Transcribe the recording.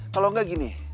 kalau gak gini